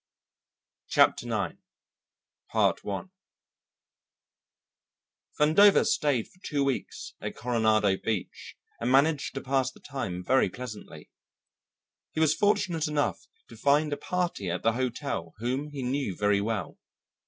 Chapter Nine Vandover stayed for two weeks at Coronado Beach and managed to pass the time very pleasantly. He was fortunate enough to find a party at the hotel whom he knew very well.